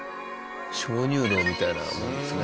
鍾乳洞みたいなもんですね。